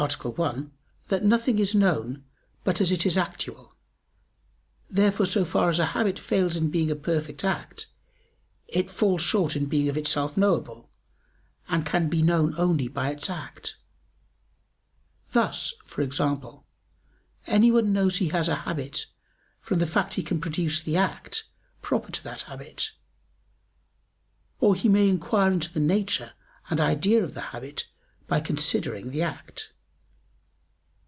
1) that nothing is known but as it is actual: therefore so far as a habit fails in being a perfect act, it falls short in being of itself knowable, and can be known only by its act; thus, for example, anyone knows he has a habit from the fact that he can produce the act proper to that habit; or he may inquire into the nature and idea of the habit by considering the act.